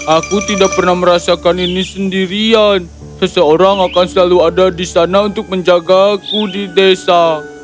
aku tidak pernah merasakan ini sendirian seseorang akan selalu ada di sana untuk menjagaku di desa